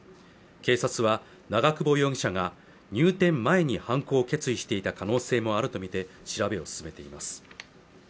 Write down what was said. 警察は長久保容疑者が入店前に犯行を決意していた可能性もあるとみて調べを進めています